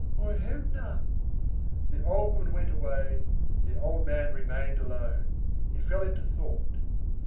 "I have none." The old woman went away, the old man remained alone. He fell into thought.